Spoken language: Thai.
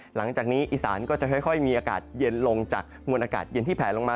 หลังจากนี้อีสานก็จะค่อยมีอากาศเย็นลงจากมวลอากาศเย็นที่แผลลงมา